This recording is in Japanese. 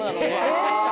え！